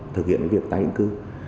thực hiện việc tái hình cư